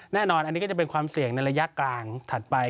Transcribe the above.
แน่นอนอันนี้ก็จะเป็นความเสี่ยงในระยะกลางถัดไป